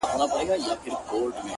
که نور څوک نسته سته څه يې کوې شېرينې!